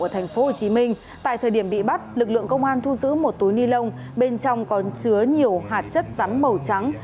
tp hcm tại thời điểm bị bắt lực lượng công an thu giữ một túi ni lông bên trong có chứa nhiều hạt chất rắn màu trắng